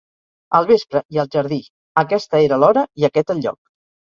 Al vespre i al jardí. Aquesta era l'hora, i aquest el lloc.